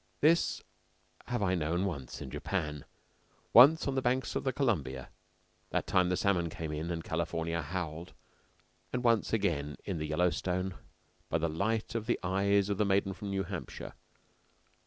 This have I known once in Japan, once on the banks of the Columbia, what time the salmon came in and California howled, and once again in the Yellowstone by the light of the eyes of the maiden from New Hampshire.